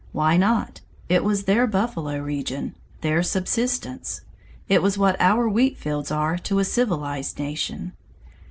Why not? It was their last buffalo region their subsistence. It was what our wheat fields are to a civilized nation.